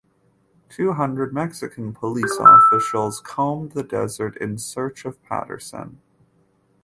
Two hundred Mexican police officials combed the dessert in search of Patterson.